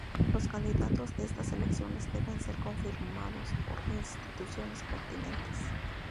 Los candidatos de estas elecciones deben ser confirmados por instituciones pertinentes.